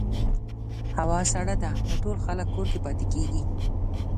هوا سړه ده، نو ټول خلک کور کې پاتې کېږي.